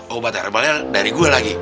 obat herbalnya dari gue lagi